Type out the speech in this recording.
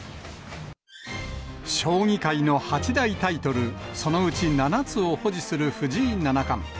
将棋界の八大タイトル、そのうち７つを保持する藤井七冠。